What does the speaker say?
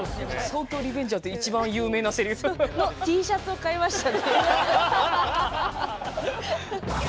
「東京卍リベンジャーズ」で一番有名なセリフ。のＴシャツを買いました。